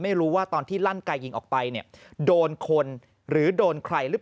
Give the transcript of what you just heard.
ไม่รู้ว่าตอนที่ลั่นกายยิงออกไปเนี่ยโดนคนหรือโดนใครหรือเปล่า